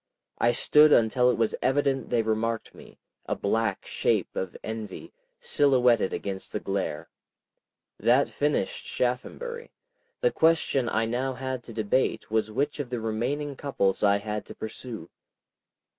I stood until it was evident they remarked me, a black shape of envy, silhouetted against the glare. That finished Shaphambury. The question I now had to debate was which of the remaining couples I had to pursue.